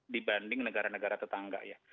dibanding negara negara tetangga ya